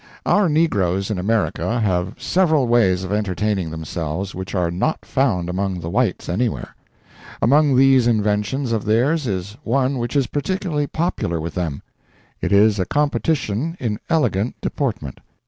Our negroes in America have several ways of entertaining themselves which are not found among the whites anywhere. Among these inventions of theirs is one which is particularly popular with them. It is a competition in elegant deportment.